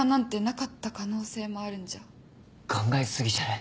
考え過ぎじゃない？